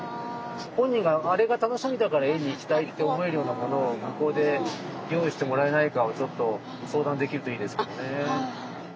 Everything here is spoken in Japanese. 本人が「あれが楽しみだから園に行きたい」って思えるようなものを向こうで用意してもらえないかをちょっと相談できるといいですけどね。